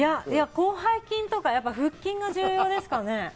広背筋とか腹筋が重要ですかね。